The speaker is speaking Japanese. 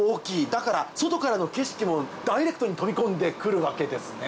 だから外からの景色もダイレクトに飛び込んでくるわけですね。